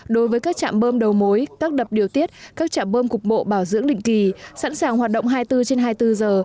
đối với các trạm bơm đầu mối các đập điều tiết các trạm bơm cục bộ bảo dưỡng định kỳ sẵn sàng hoạt động hai mươi bốn trên hai mươi bốn giờ